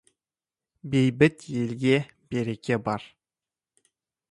Бейбіт елде береке бар.